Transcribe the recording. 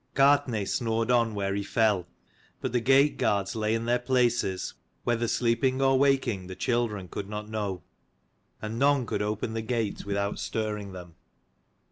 Gart THEY naidh snored on where he fell; pi jrr) but the gate guards lay in their places, whether sleeping or waking the children could not know ; and none could open the gate without stirring them.